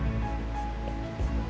bahkan sering dilakukan di depan banyak orang